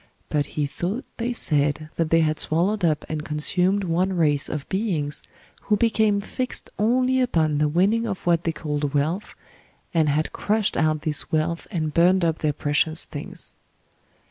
But he thought they said that they had swallowed up and consumed one race of beings who became fixed only upon the winning of what they called wealth, and had crushed out this wealth and burned up their precious things.